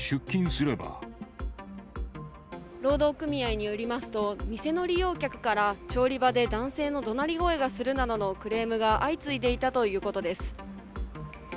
労働組合によりますと、店の利用客から、調理場で男性のどなり声がするなどのクレームが相次いでいたということです。